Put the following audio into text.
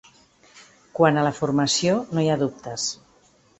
Quant a la formació, no hi ha dubtes.